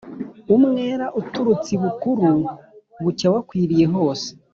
Umwera uturutse I Bukuru ,bucya wakwiriye hose